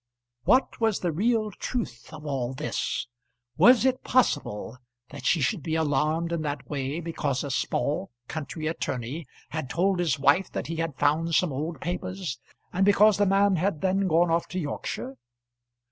What was the real truth of all this? Was it possible that she should be alarmed in that way because a small country attorney had told his wife that he had found some old paper, and because the man had then gone off to Yorkshire?